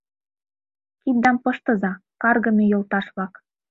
Киддам пыштыза, каргыме йолташ-влак!